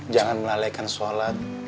jangan melalaikan sholat